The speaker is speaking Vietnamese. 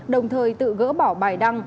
đồng thời tự gỡ bỏ bài đăng